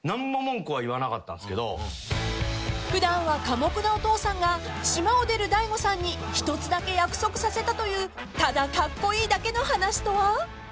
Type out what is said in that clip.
［普段は寡黙なお父さんが島を出る大悟さんに１つだけ約束させたというただカッコイイだけの話とは？］